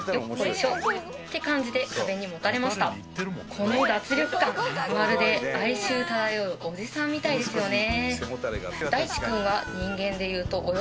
この脱力感まるで哀愁漂うおじさんみたいですよね